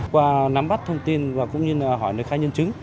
qua nắm bắt thông tin và cũng như là hỏi khai nhân chứng